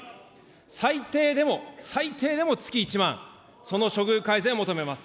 最低でも、最低でも月１万、その処遇改善を求めます。